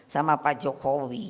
sama pak jokowi